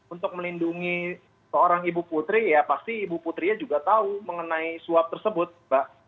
untuk melindungi seorang ibu putri ya pasti ibu putrinya juga tahu mengenai suap tersebut mbak